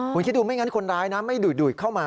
คุณคิดดูไม่งั้นคนร้ายนะไม่ดูดเข้ามา